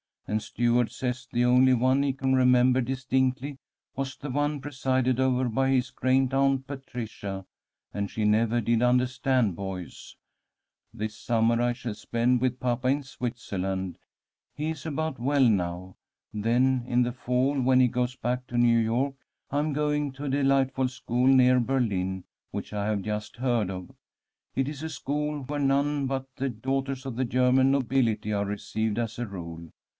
And Stuart says the only one he can remember distinctly was the one presided over by his great aunt Patricia, and she never did understand boys. This summer I shall spend with papa in Switzerland. He is about well now. Then in the fall, when he goes back to New York, I am going to a delightful school near Berlin which I have just heard of. It is a school where none but the daughters of the German nobility are received, as a rule.